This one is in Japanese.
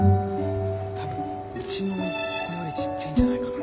多分うちの甥っ子よりちっちゃいんじゃないかな。